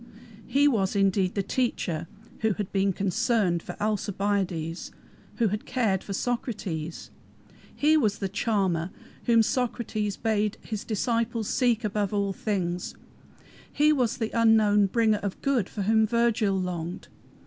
He was indeed the "Teacher" who had been "concerned" for Alcibiades, who had cared for Socrates. He was the "Charmer" whom Socrates bade his disciples seek above all things. He was the unknown bringer of good for whom Virgil longed.